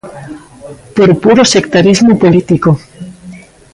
¡Por puro sectarismo político!